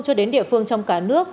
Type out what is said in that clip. cho đến địa phương trong cả nước